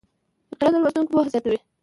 فقره د لوستونکي پوهه زیاتوي.